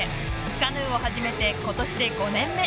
カヌーを始めて今年で５年目。